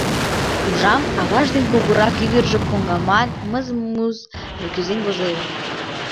— Ужам: аваж ден кугурак ӱдыржӧ коҥгамак мыз-муз кӱзен возеве.